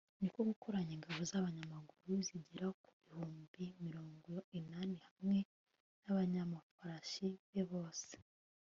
ni ko gukoranya ingabo z'abanyamaguru zigera ku bihumbi mirongo inani hamwe n'abanyamafarasi be bose